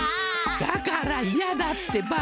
だからいやだってば！